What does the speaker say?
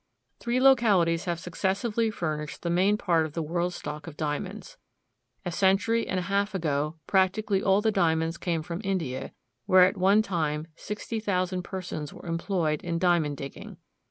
Three localities have successively furnished the main part of the world's stock of diamonds. A century and a half ago, practically all the diamonds came from India, where at one time 60,000 persons were employed in diamond digging.